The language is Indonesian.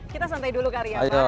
kita santai dulu kali ya pak